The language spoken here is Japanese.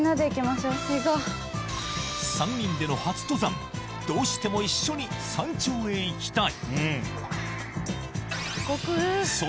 ３人での初登山どうしても一緒に山頂へ行きたい！